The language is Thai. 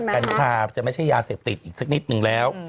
กัญชาจะไม่ใช่ยาเสพติดอีกสักนิดนึงแล้ว